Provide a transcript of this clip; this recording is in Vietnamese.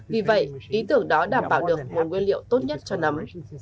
vì vậy ý tưởng đó đảm bảo được nguồn nguyên liệu tốt nhất cho nấm